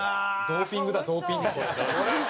ドーピングだドーピングこれもう。